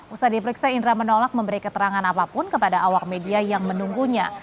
usai diperiksa indra menolak memberi keterangan apapun kepada awak media yang menunggunya